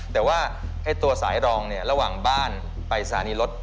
แต่ว่าตัวสายรองเนี่ยระหว่างบ้านไปสถานีรถ